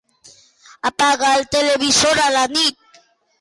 Apaga el televisor a la nit.